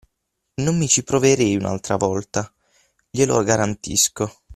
Non mi ci proverei un'altra volta, glielo garantisco!